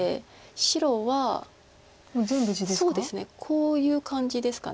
こういう感じですか。